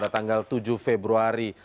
tanggal tujuh februari